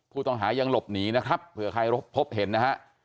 ผู้ต้องหายังหลบหนีนะครับเผื่อใครพบเห็นนะฮะ